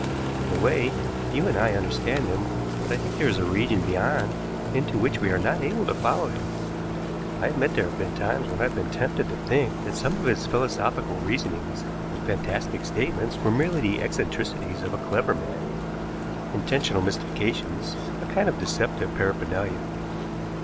In a way, you and I understand him, but I think there is a region beyond into which we are not able to follow him. I admit there have been times when I have been tempted to think that some of his philosophical reasonings and fantastic statements were merely the eccentricities of a clever man intentional mystifications, a kind of deceptive paraphernalia."